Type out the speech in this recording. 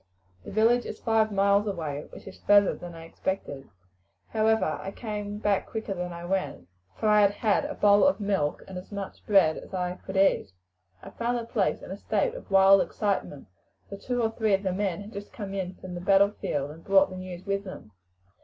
"The village is five miles away, which is farther than I expected. However, I came back quicker than I went, for I had had a bowl of milk and as much bread as I could eat. I found the place in a state of wild excitement, for two or three of the men had just come in from the battlefield, and brought the news with them.